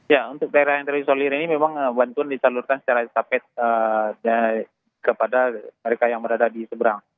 ya untuk daerah yang terisolir ini memang bantuan disalurkan secara estafet kepada mereka yang berada di seberang